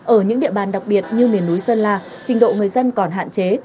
ở những địa bàn đặc biệt như miền núi sơn la trình độ người dân còn hạn chế